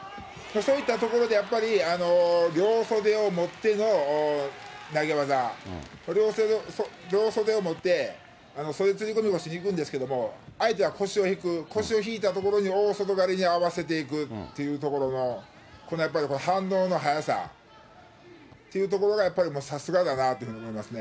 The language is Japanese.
そういったところでやっぱり、両袖を持っての投げ技、両袖を持って、袖釣り込み腰にいくんですけど、相手は腰を引く、腰を引いたところに大外刈りに合わせていくっていうところの、この反応の速さ、っていうところがやっぱ、さすがだなと思いますね。